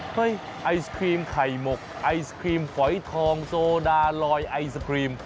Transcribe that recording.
ไอศครีมไข่หมกไอศครีมฝอยทองโซดาลอยไอศครีม